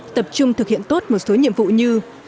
tập trung thực hiện tốt một số nhiệm vụ như